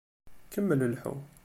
Kemmel lḥu.